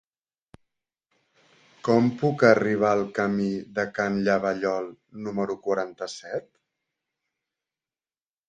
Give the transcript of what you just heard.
Com puc arribar al camí de Can Llavallol número quaranta-set?